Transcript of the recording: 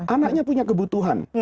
anaknya punya kebutuhan